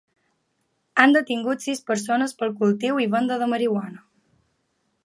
Han detingut sis persones pel cultiu i venda de marihuana.